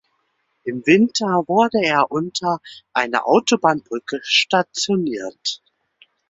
Im Winter wurde er unter einer Autobahnbrücke stationiert.